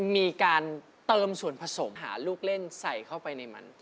มีการเติมส่วนผสมหาลูกเล่นใส่เข้าไปในมัน